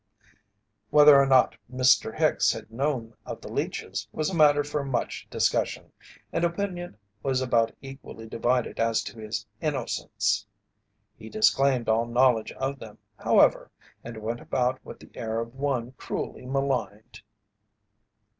Whether or not Mr. Hicks had known of the leeches was a matter for much discussion, and opinion was about equally divided as to his innocence. He disclaimed all knowledge of them, however, and went about with the air of one cruelly maligned.